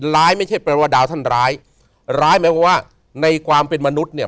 ไม่ใช่แปลว่าดาวท่านร้ายร้ายแม้ว่าในความเป็นมนุษย์เนี่ย